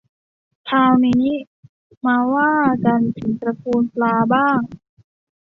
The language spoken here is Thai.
คราวนี้มาว่ากันถึงตระกูลปลาบ้าง